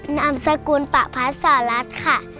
นามสกุลปะพัดสหรัฐค่ะ